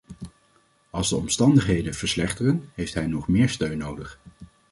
Als de omstandigheden verslechteren, heeft hij nog meer steun nodig.